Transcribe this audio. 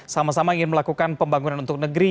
sama sama ingin melakukan pembangunan untuk negeri